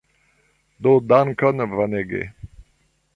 Do dankon Vanege.